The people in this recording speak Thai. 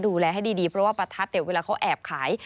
ดูแลให้ดีเพราะว่าประทัดเนี่ยเวลาเขาแอบขาย